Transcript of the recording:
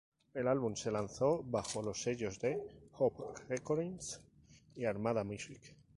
El álbum se lanzó bajo los sellos de Hope Recordings y Armada Music.